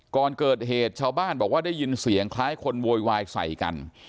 ก่อนเกิดเหตุชาวบ้านบอกว่าได้ยินเสียงคล้ายคนโวยวายใส่กัน